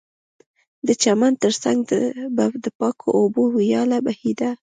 د چمن ترڅنګ به د پاکو اوبو ویاله بهېده